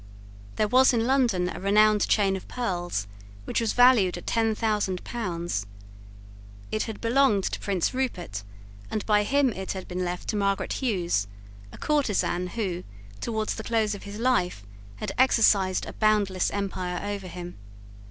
There was in London a renowned chain of pearls which was valued at ten thousand pounds. It had belonged to Prince Rupert; and by him it had been left to Margaret Hughes, a courtesan who, towards the close of his life, had exercised a boundless empire over him.